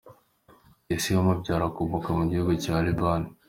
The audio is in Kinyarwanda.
Ise umubyara akomoka mu gihugu cya Liban.